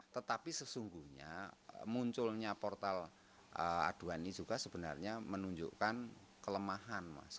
tetapi sesungguhnya munculnya portal aduan ini juga sebenarnya menunjukkan kelemahan mas